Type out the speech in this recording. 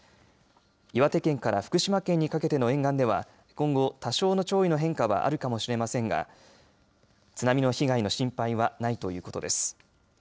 岩手県から福島県にかけての沿岸では今後、多少の潮位の変化はあるかもしれませんが津波の被害の心配はないということです。